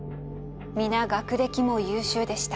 皆学歴も優秀でした。